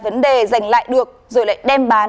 vấn đề dành lại được rồi lại đem bán